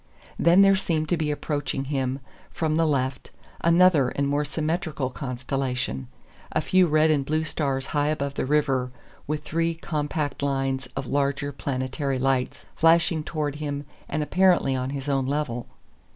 Then there seemed to be approaching him, from the left, another and more symmetrical constellation a few red and blue stars high above the river, with three compact lines of larger planetary lights flashing towards him and apparently on his own level.